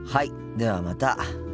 ではまた。